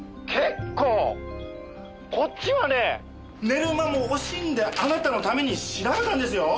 寝る間も惜しんであなたのために調べたんですよ！？